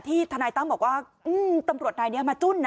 ที่ทนายตั้งบอกว่าตำรวจนายนี่มาจุ่น